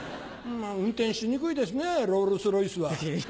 運転しにくいですねロールス・ロイスは。